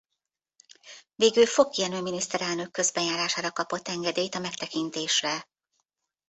Végül Fock Jenő miniszterelnök közbenjárására kapott engedélyt a megtekintésre.